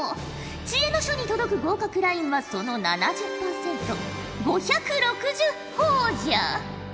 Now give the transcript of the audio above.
知恵の書に届く合格ラインはその７０パーセント５６０ほぉじゃ。